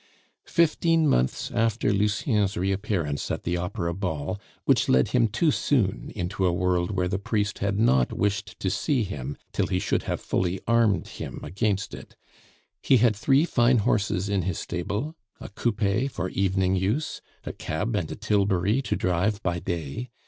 Fifteen months after Lucien's reappearance at the opera ball, which led him too soon into a world where the priest had not wished to see him till he should have fully armed him against it, he had three fine horses in his stable, a coupe for evening use, a cab and a tilbury to drive by day.